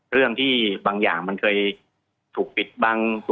เรื่องที่บางอย่างมันเคยถูกปิดบัง